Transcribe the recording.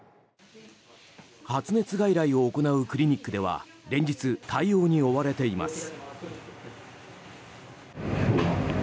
発熱外来を行うクリニックでは連日、対応に追われています。